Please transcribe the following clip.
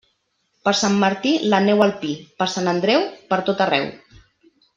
Per Sant Martí, la neu al pi; per Sant Andreu, pertot arreu.